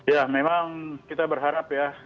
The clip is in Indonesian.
ya memang kita berharap ya